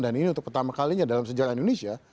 dan ini untuk pertama kalinya dalam sejarah indonesia